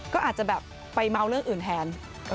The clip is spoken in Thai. ก็อาจจะแบบไปเมาเรื่องอื่นแทน